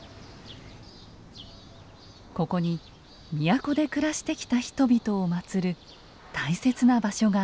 ここに都で暮らしてきた人々を祀る大切な場所があります。